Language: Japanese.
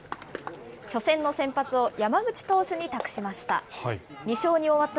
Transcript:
初戦の先発を山口投手に託しました。